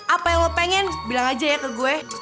apa yang lo pengen bilang aja ya ke gue